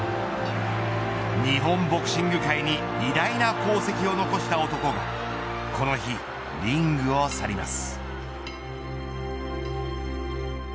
日本ボクシング界に偉大な功績を残した男がこの日リングを去ります。